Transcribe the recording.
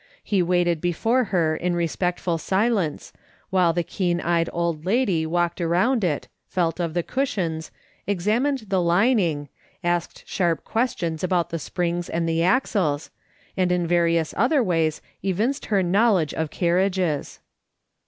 He waited before her in respectful silence, while the keen eyed old lady walked around it, felt of the cushions, examined the lining, asked sharp questions about the springs and the axles, and in various other ways evinced her knowledge of carriages.